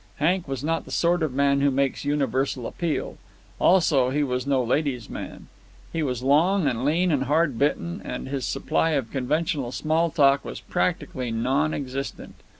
Hank was not the sort of man who makes universal appeal. Also, he was no ladies' man. He was long and lean and hard bitten, and his supply of conventional small talk was practically non existent.